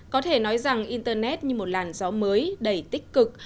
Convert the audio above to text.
có thể nói rằng internet như một làn gió mới đầy tích cực